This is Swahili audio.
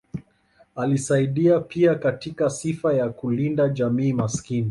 Alisaidia pia katika sifa ya kulinda jamii maskini.